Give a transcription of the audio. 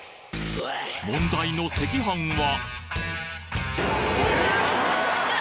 問題の赤飯は？